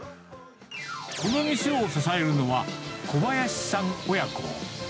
この店を支えるのは小林さん親子。